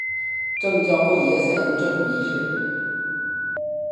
正教会中也采用这种仪式。